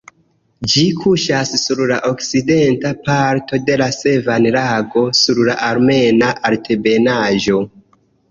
Ĝi kuŝas sur la okcidenta parto de la Sevan-lago, sur la Armena Altebenaĵo.